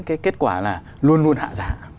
cái kết quả là luôn luôn hạ giá